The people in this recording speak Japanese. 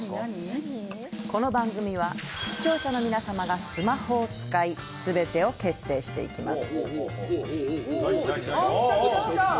この番組は視聴者の皆さまがスマホを使い全てを決定していきます。